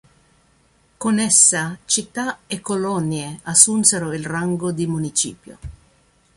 Con essa città e colonie assunsero il rango di municipio.